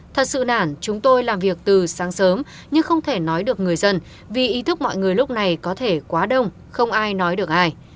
thật sự nản chúng tôi làm việc từ sáng sớm nhưng không thể nói được người dân vì ý thức mọi người lúc này có thể quá đông không ai nói được ai